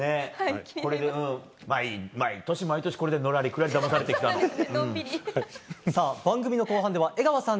毎年、毎年これでのらりくらりだまされてきたもん。